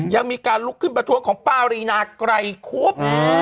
ยังมีการลุกขึ้นประท้วงของป้ารีนาไกรคุบ